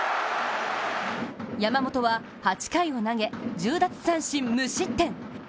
山本は８回を投げ１０奪三振無失点。